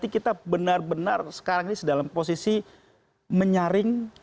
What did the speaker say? kita benar benar sekarang ini dalam posisi menyaring